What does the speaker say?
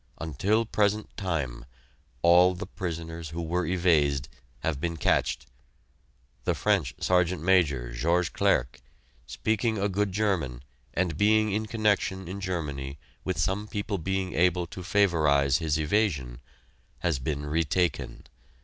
Until present time, all the prisoners who were evased, have been catched. The French Sergt. Major George Clerque, speaking a good German and being in connection in Germany with some people being able to favorise his evasion, has been retaken.